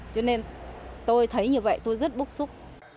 cho nên tôi thấy như vậy tôi rất bức xúc